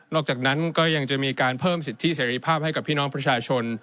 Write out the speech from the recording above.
อกจากนั้นก็ยังจะมีการเพิ่มสิทธิเสรีภาพให้กับพี่น้องประชาชน